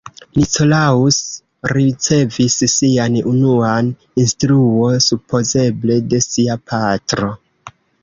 Nicolaus ricevis sian unuan instruo supozeble de sia patro.